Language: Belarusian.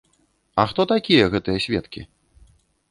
А хто такія гэтыя сведкі?